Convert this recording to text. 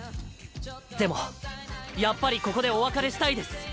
でもやっぱりここでお別れしたいです。